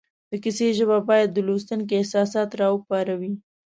د کیسې ژبه باید د لوستونکي احساسات را وپاروي